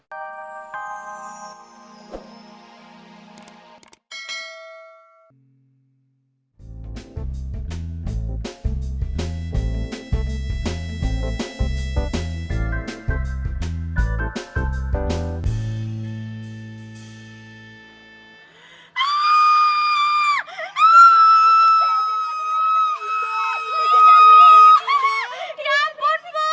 ya ampun bu